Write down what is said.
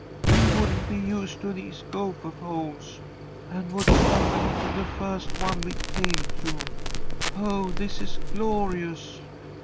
He wouldn't be used to these gophah holes, and would stumble into the first one we came to. Oh, this is glorious!"